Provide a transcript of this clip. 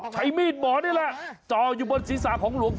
ใช้มีดหมอนี่ล่ะจออยู่บนศรีสะของลูกพ่อ